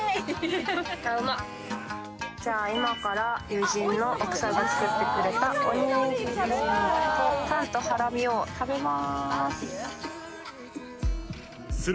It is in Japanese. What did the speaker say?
今から友人の奥さんが作ってくれた、おにぎりとタンとハラミを食べます。